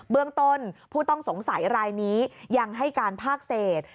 เรื่องต้นผู้ต้องสงสัยรายนี้ยังให้การภาคเศษ